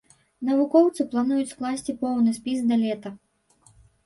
Навукоўцы плануюць скласці поўны спіс да лета.